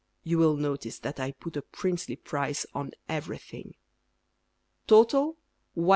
(You will notice that I put a princely price on everything), Total, 1s.